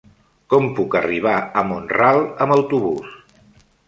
Com puc arribar a Mont-ral amb autobús?